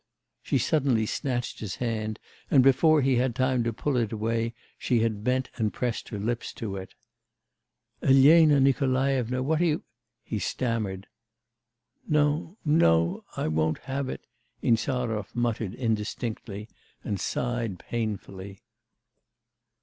She suddenly snatched his hand, and before he had time to pull it away, she had bent and pressed her lips to it. 'Elena Nikolaevna, what are you ' he stammered. 'No no I won't have it ' Insarov muttered indistinctly, and sighed painfully.